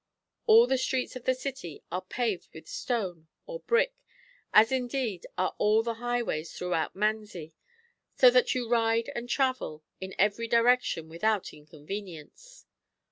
All the streets of the city are paved with stone or brick, as indeed are all the highways throughout Manzi, so that you ride and travel in every direction without inconve nience.